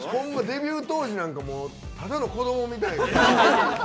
デビュー当時なんかもうただの子どもみたいな。